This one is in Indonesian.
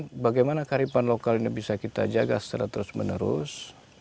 nah kemudian bagaimana garipan lokal ini bisa kita jaga secara terus menerus